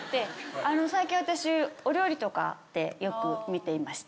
最近私お料理とかでよく見ていまして。